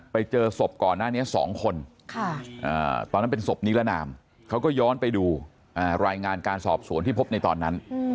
ไปเจอศพก่อนหน้านี้๒คนตอนนั้นเป็นศพนิรนามเขาก็ย้อนไปดูรายงานการสอบสวนที่พบในตอนนั้น